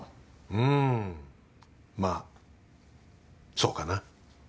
うんまあそうかな。